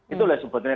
itu lah sebetulnya